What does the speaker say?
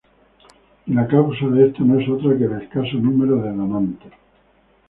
Y la causa de esto no es otra que el escaso número de donantes.